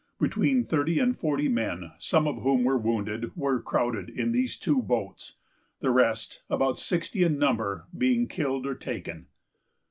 Between thirty and forty men, some of whom were wounded, were crowded in these two boats; the rest, about sixty in number, being killed or taken.